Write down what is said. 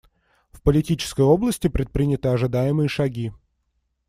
В политической области предприняты ожидаемые шаги.